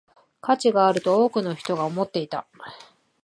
価値があると多くの人が思っていた